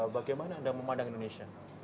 bagaimana anda memandang indonesia